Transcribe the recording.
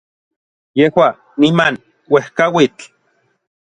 yejua, niman, uejkauitl